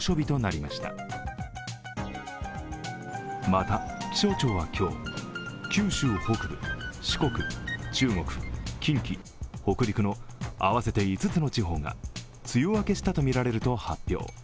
また、気象庁は今日、九州北部、四国中国、近畿、北陸の合わせて５つの地方が梅雨明けしたとみられると発表。